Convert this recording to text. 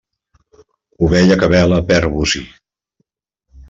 Ovella que bela perd bocí.